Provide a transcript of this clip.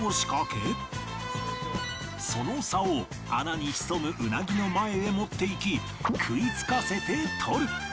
その竿を穴に潜むウナギの前へ持っていき食いつかせてとる